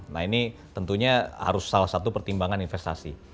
nah ini tentunya harus salah satu pertimbangan investasi